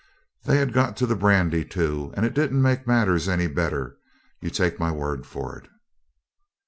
They had got to the brandy too, and it didn't make matters any better, you take my word for it.